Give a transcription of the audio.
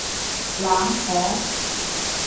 冷巷